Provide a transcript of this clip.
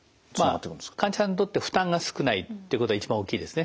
まあ患者さんにとって負担が少ないということが一番大きいですね。